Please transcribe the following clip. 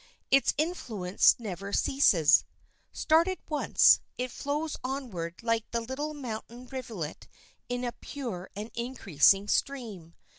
Its influence never ceases. Started once, it flows onward like the little mountain rivulet in a pure and increasing stream.